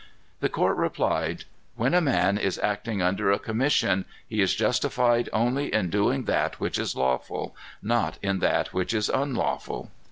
The court replied, "When a man is acting under a commission, he is justified only in doing that which is lawful, not in that which is unlawful."